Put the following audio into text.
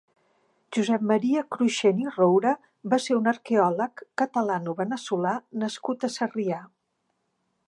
Josep María Cruxent i Roura va ser un arqueòleg catalano-veneçolà nascut a Sarrià.